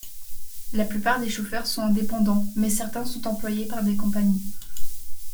La plupart des chauffeurs sont indépendants mais certains sont employés par des compagnies.